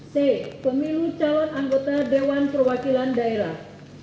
c pemilu calon anggota dewan perwakilan daerah